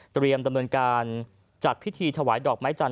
เตรียมการจัดพิธีถวายดอกไม้จำ